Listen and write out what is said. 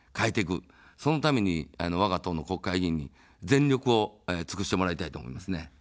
そのために、わが党の国会議員に全力を尽くしてもらいたいと思いますね。